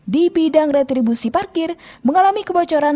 di bidang retribusi parkir mengalami kebocoran